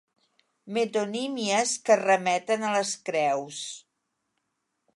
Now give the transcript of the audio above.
Metonímies que remeten a les creus.